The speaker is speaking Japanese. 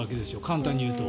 簡単に言うと。